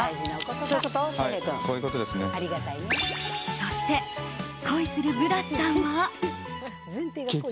そして、恋するブラスさんは。